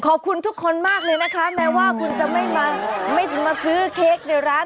ขอบคุณทุกคนมากเลยนะคะแม้ว่าคุณจะไม่มาไม่มาซื้อเค้กในร้าน